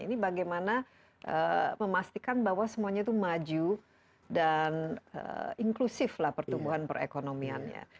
ini bagaimana memastikan bahwa semuanya itu maju dan inklusif lah pertumbuhan perekonomiannya